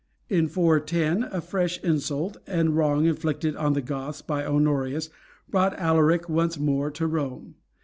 In 410 a fresh insult and wrong inflicted on the Goths by Honorius brought Alaric once more to Rome.